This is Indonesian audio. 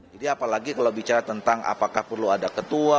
jadi apalagi kalau bicara tentang apakah perlu ada ketua